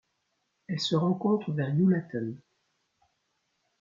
Elle se rencontre vers Julatten.